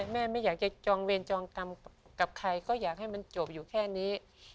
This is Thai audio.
แม่ไม่อยากจะจองเวรจองกรรมกับใครก็อยากให้มันจบอยู่แค่นี้